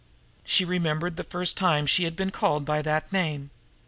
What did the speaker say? She remembered the first time she had ever been called by that name.